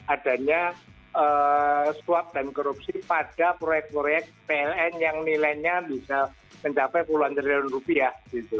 adanya swab dan korupsi pada proyek proyek pln yang nilainya bisa mencapai puluhan triliun rupiah